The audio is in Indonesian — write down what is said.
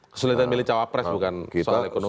kesulitan milih cawapres bukan soal ekonomi